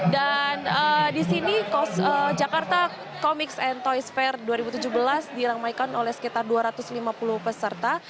dan di sini jakarta comics and toys fair dua ribu tujuh belas diramaikan oleh sekitar dua ratus lima puluh peserta